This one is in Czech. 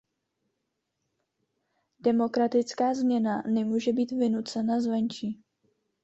Demokratická změna nemůže být vynucena zvenčí.